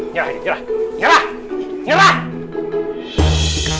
nyerah nyerah nyerah nyerah